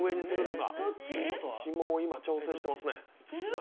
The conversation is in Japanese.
ひもを今、調整していますね。